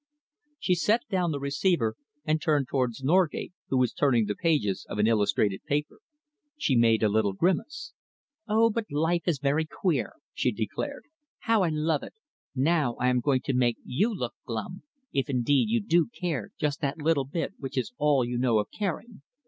_" She set down the receiver and turned towards Norgate, who was turning the pages of an illustrated paper. She made a little grimace. "Oh, but life is very queer!" she declared. "How I love it! Now I am going to make you look glum, if indeed you do care just that little bit which is all you know of caring.